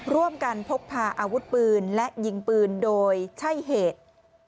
ร่วมกันพกพาอาวุธปืนและยิงปืนโดยใช่เหตุ